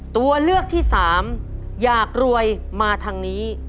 ตัวเลือกที่สามอยากรวยมาทางนี้